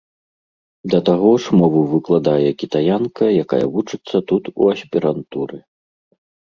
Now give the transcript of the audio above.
Да таго ж, мову выкладае кітаянка, якая вучыцца тут у аспірантуры.